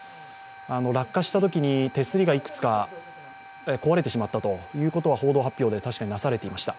落下したときに手すりがいくつか壊れてしまったと報道発表で確かになされていました。